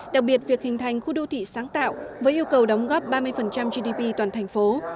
đặc biệt việc hình thành khu đô thị sáng tạo với yêu cầu đóng góp ba mươi gdp toàn thành phố